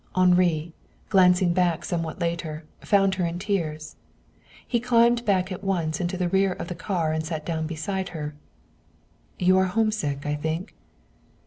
Henri, glancing back somewhat later, found her in tears. He climbed back at once into the rear of the car and sat down beside her. "You are homesick, I think?"